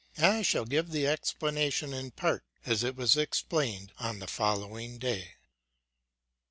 I shall give the explanation ;n part, as it was explained on the following day.